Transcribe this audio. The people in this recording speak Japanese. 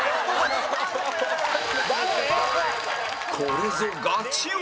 これぞガチ王